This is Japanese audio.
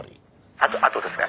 ☎あとあとですね。